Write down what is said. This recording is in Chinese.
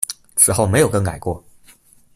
此后没有更改过。